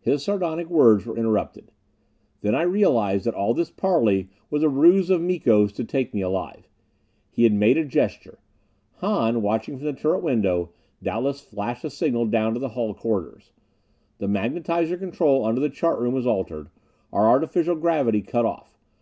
His sardonic words were interrupted. And I realized that all this parley was a ruse of Miko's to take me alive. He had made a gesture. Hahn, watching from the turret window, doubtless flashed a signal down to the hull corridors. The magnetizer control under the chart room was altered, our artificial gravity cut off.